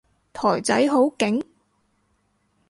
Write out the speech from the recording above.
台仔都勁？